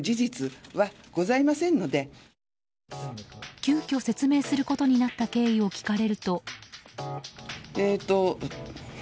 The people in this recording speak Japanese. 急きょ説明することになった経緯を聞かれると。